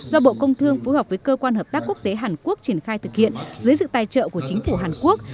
do bộ công thương phối hợp với cơ quan hợp tác quốc tế hàn quốc triển khai thực hiện dưới sự tài trợ của chính phủ hàn quốc